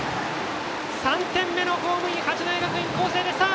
３点目のホームイン八戸学院光星。